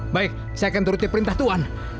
baik saya akan turutin perintah tuhan